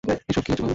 এসব কী হচ্ছে বাল?